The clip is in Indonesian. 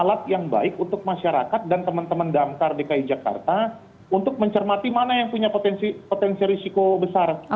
alat yang baik untuk masyarakat dan teman teman damkar dki jakarta untuk mencermati mana yang punya potensi risiko besar